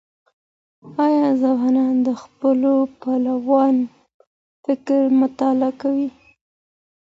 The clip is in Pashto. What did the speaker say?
آيا ځوانان د خپلو پلرونو فکر مطالعه کوي؟